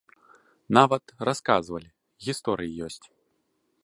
Нават, расказвалі, гісторыі ёсць.